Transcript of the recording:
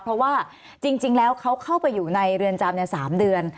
เพราะว่าจริงแล้วเขาเข้าไปอยู่ในเรือนจำ๓เดือน